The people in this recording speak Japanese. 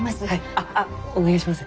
あっあお願いします。